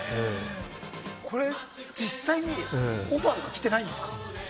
これ実際にオファーは来てないんですか？